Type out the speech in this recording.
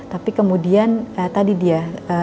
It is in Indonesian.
tapi kemudian tadi dia